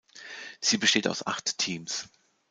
Sie besteht aus acht Teams.